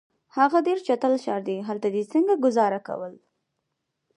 هغه ډېر چټل ښار دی، هلته دي څنګه ګذاره کول؟